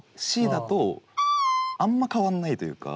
Ｃだとあんま変わんないというか。